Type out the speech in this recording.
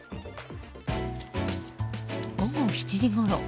午後７時ごろ。